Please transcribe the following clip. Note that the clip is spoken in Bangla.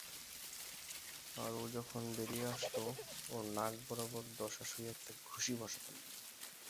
আর ও যখন বেরিয়ে আসত, ওর নাক বরাবর দশাসই একটা ঘুষি বসাতাম।